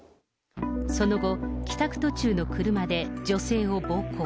その後、帰宅途中の車で女性を暴行。